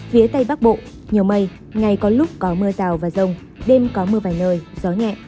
phía tây bắc bộ nhiều mây ngày có lúc có mưa rào và rông đêm có mưa vài nơi gió nhẹ